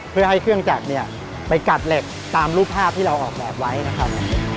เพื่อให้เครื่องจักรเนี่ยไปกัดเหล็กตามรูปภาพที่เราออกแบบไว้นะครับ